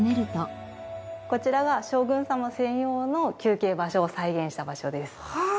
こちらが将軍様専用の休憩場所を再現した場所です。はあ！